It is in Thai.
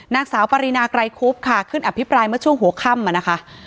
นางสาวปรินาไกรคุบค่ะขึ้นอภิปรายเมื่อช่วงหัวค่ำนะคะ